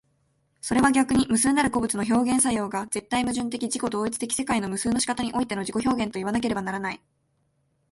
それは逆に無数なる個物の表現作用が絶対矛盾的自己同一的世界の無数の仕方においての自己表現といわなければならない。